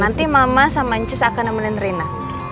nanti mama sama cus akan nemenin rina